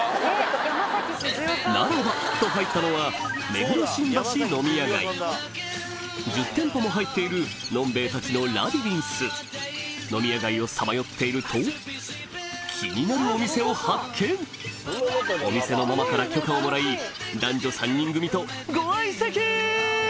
ならば！と入ったのは目黒新ばし飲み屋街１０店舗も入っている呑兵衛たちのラビリンス飲み屋街をさまよっていると気になるお店を発見お店のママから許可をもらい男女３人組とご相席！